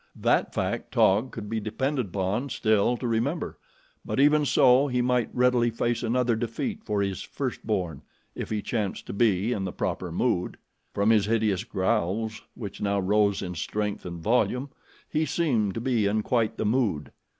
That fact Taug could be depended upon still to remember; but even so, he might readily face another defeat for his first born if he chanced to be in the proper mood. From his hideous growls, which now rose in strength and volume, he seemed to be in quite the mood.